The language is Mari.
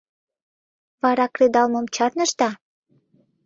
— Вара кредалмым чарнышда?